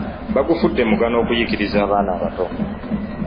Bagufudde mugano okuyiikiriza abaana abato